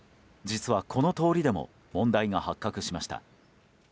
実は、この通りでも問題が発覚しました。